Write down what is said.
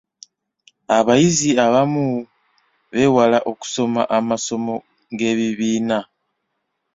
Abayizi abamu bewala okusoma amasomo g'ebibiina.